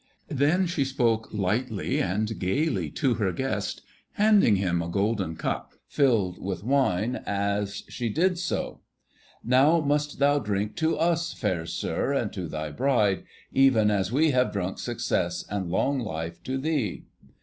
Then she spoke lightly and gaily to her guest, handing him a golden cup filled with wine as she did so. 'Now must thou drink to us, fair sir, and to thy bride, even as we have drunk success and long life to thee.